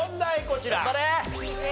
こちら。